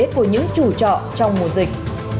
của những chủ trọ trong mùa dịch